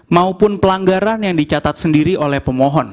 maupun pelanggaran yang dicatat sendiri oleh pemohon